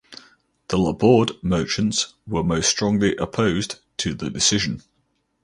The Labourd merchants were most strongly opposed to the decision.